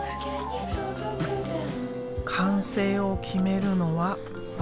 完成を決めるのは私。